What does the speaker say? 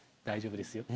大丈夫です。